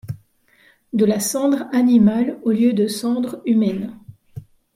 De la cendre animale au lieu de cendre humaine